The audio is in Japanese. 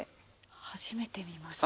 初めて見ました。